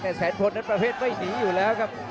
แต่แสนพลนั้นประเภทไม่หนีอยู่แล้วครับ